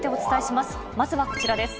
まずはこちらです。